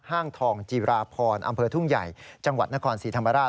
ห้างทองจีราพรอำเภอทุ่งใหญ่จังหวัดนครศรีธรรมราช